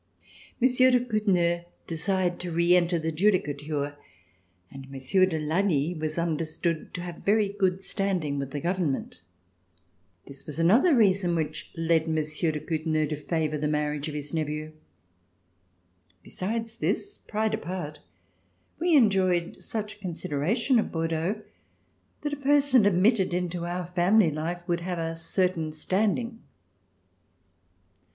Monsieur de Couteneuil desired to reenter the Judicature, and Monsieur de Lally was under stood to have good standing with the government. This was another reason which led Monsieur de Couteneuil to favor the marriage of his nephew. Besides this, pride apart, we enjoyed such considera tion at Bordeaux that a person admitted into our family life would have a certain standing.